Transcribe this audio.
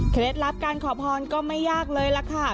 ลับการขอพรก็ไม่ยากเลยล่ะค่ะ